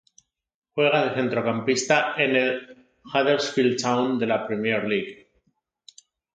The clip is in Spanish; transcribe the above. Juega de centrocampista en el Huddersfield Town de la Premier League.